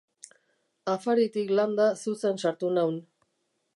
Afaritik landa zuzen sartu naun.